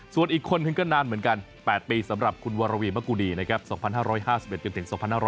ส่วนอีกคนนึงก็นานเหมือนกัน๘ปีสำหรับคุณวรวีมะกุดีนะครับ๒๕๕๑จนถึง๒๕๖๐